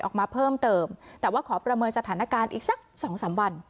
ออกมาเพิ่มเติมแต่ว่าขอประเมินสถานการณ์อีกสักสองสามวัน